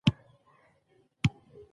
د میدان وردګو په جغتو کې د مرمرو نښې شته.